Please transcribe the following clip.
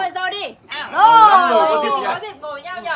có dịp gọi nhau nhờ